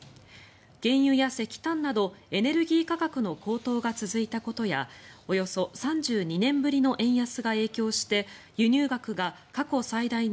原油や石炭などエネルギー価格の高騰が続いたことやおよそ３２年ぶりの円安が影響して輸入額が過去最大の